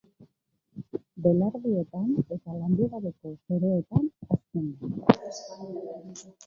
Belardietan eta landu gabeko soroetan hazten da.